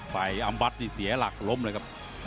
อำวัดนี่เสียหลักล้มเลยครับ